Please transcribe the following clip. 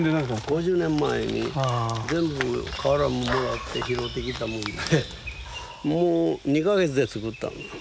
５０年前に全部瓦ももらって拾ってきたもんでもう２か月で造ったんです。